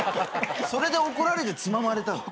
それで怒られてつままれたの？